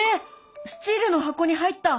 スチールの箱に入った！